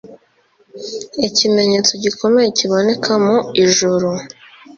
Ikimenyetso gikomeye kiboneka mu ijuru,